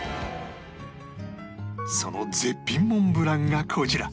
その絶品モンブランがこちら